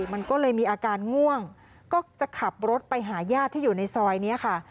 มันก็เลยมีอาการง่วงก็จะขับรถไปหาญาติที่อยู่ในซอยนี้ค่ะ